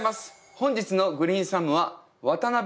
本日のグリーンサムは渡辺均さんです。